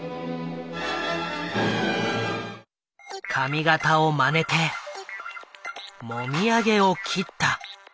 髪型をまねてもみあげを切った。